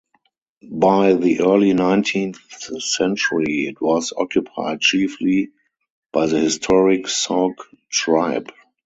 By the early nineteenth century, it was occupied chiefly by the historic Sauk tribe.